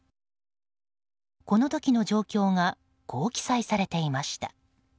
この時の状況がこう記載されていました。